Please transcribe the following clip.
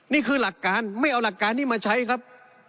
นี่คือหลักการไม่เอาหลักการนี้มาใช้ครับ